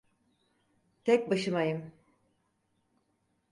Tek başımayım.